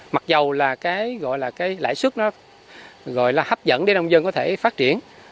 mặc dù là cái gọi là cái lãi suất nó gọi là hấp dẫn để nông dân có thể phát triển